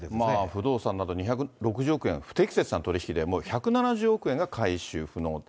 不動産など２６０億円、不適切な取り引きで１７０億円が回収不能。